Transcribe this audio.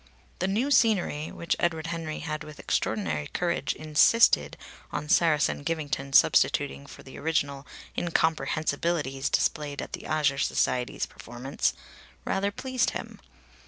The new scenery, which Edward Henry had with extraordinary courage insisted on Saracen Givington substituting for the original incomprehensibilities displayed at the Azure Society's performance, rather pleased him.